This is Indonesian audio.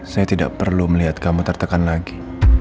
saya tidak perlu melihat kamu tertekan lagi